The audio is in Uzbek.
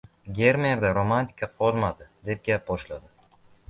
– Gemerda romantika qolmadi, – deb gap boshladi